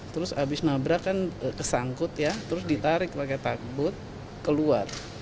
terus habis nabrak kan kesangkut ya terus ditarik pakai takbut keluar